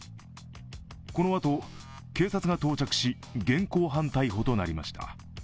このあと、警察が到着し現行犯逮捕となりました。